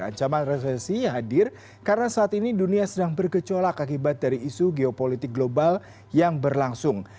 ancaman resesi hadir karena saat ini dunia sedang bergecolak akibat dari isu geopolitik global yang berlangsung